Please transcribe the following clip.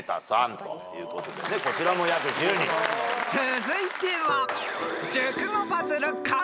［続いては］